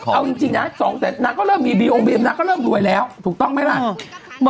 เอาจริงนะ๒แสนนางก็เริ่มมีบีโอบีมนางก็เริ่มรวยแล้วถูกต้องไหมล่ะ